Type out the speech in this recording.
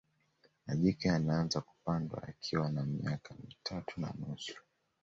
majike yanaanza kupandwa yakiwa na miaka mitatu na nusu